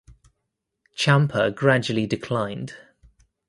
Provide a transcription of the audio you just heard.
Champa gradually declined.